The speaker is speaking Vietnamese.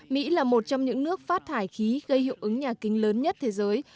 mỹ là một trong những nước phát thải khí gây hiệu ứng nhà kính lớn nhất thế giới